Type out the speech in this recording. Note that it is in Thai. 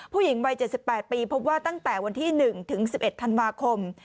ผู้หญิงวัย๗๘ปีพบว่าตั้งแต่วันที่๑ถึง๑๑ธันวาคม